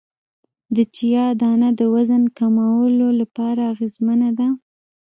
د چیا دانه د وزن کمولو لپاره اغیزمنه ده